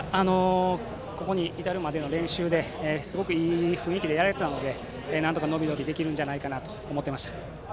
ここに至るまでの練習ですごくいい雰囲気でやれていたので、伸び伸びとできるんじゃないかと思っていました。